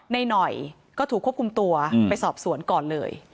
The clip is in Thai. หน่อยก็ถูกควบคุมตัวไปสอบสวนก่อนเลย